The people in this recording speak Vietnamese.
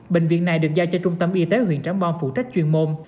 bệnh viện này được giao cho trung tâm y tế huyện trắng bom phụ trách chuyên môn